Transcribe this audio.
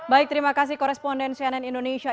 baik terima kasih koresponden cnn indonesia